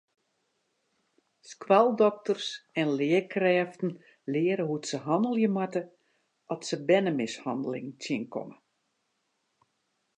Skoaldokters en learkrêften leare hoe't se hannelje moatte at se bernemishanneling tsjinkomme.